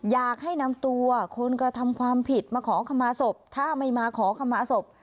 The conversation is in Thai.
อยากให้นำตัวคนกระทำความผิดมาขอขมาศพถ้าไม่มาขอขมาศพ